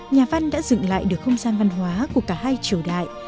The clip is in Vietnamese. nhà văn đã dựng lại được không gian văn hóa của cả hai triều đại